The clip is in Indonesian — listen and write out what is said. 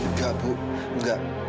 nggak bu nggak